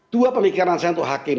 dua pemikiran saya untuk hakim